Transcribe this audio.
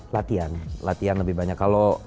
latihan latihan lebih banyak